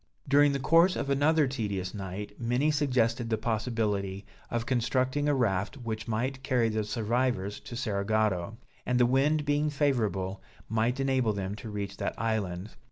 During the course of another tedious night, many suggested the possibility of constructing a raft which might carry the survivors to Cerigotto; and the wind being favorable, might enable them to reach that island.